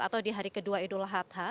atau di hari kedua idul adha